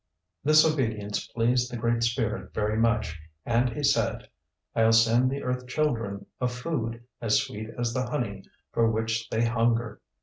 This obedience pleased the Great Spirit very much and he said, "I'll send the earth children a food as sweet as the honey for which they hunger.